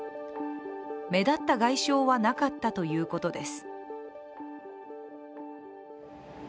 目立った外傷はなかったということです。